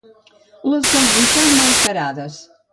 Les del Boixar, malcarades.